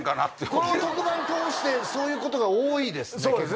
この特番通してそういうことが多いですね結構。